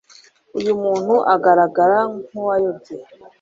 uyu umuntu agaragara nkuwayobye.